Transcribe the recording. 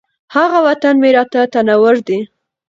هغه وطن مي راته تنور دی